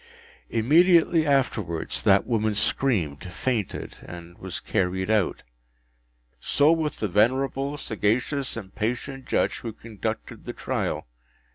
Immediately afterwards that woman screamed, fainted, and was carried out. So with the venerable, sagacious, and patient Judge who conducted the trial.